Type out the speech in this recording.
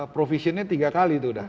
provisionnya tiga kali tuh dah